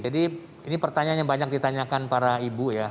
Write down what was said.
jadi ini pertanyaan yang banyak ditanyakan para ibu ya